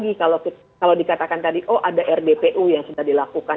dan sekali lagi kalau dikatakan tadi oh ada rdpu yang sudah dilakukan